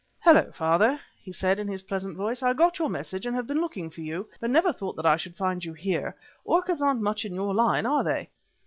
"Hullo, father," he said in his pleasant voice. "I got your message and have been looking for you, but never thought that I should find you here. Orchids aren't much in your line, are they?"